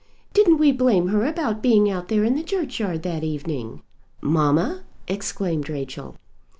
Didn't we blame her about being out there in the churchyard that evening?" "Mamma!" exclaimed Rachel.